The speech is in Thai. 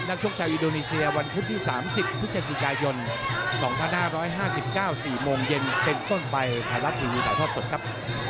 ชกชาวอินโดนีเซียวันพุธที่๓๐พฤศจิกายน๒๕๕๙๔โมงเย็นเป็นต้นไปไทยรัฐทีวีถ่ายทอดสดครับ